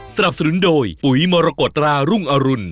สำหรับสรุนโดยปุ๋ยมรกตรารุงอรุณ